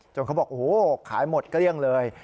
เขาบอกโอ้โหขายหมดเกลี้ยงเลย